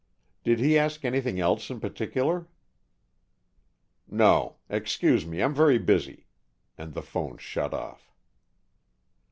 "Did he ask anything else in particular?" "No. Excuse me, I'm very busy." And the 'phone shut off.